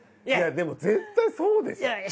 いやでも絶対そうでしょ。